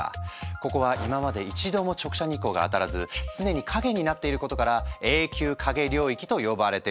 ここは今まで一度も直射日光が当たらず常に影になっていることから「永久影領域」と呼ばれてるのよ。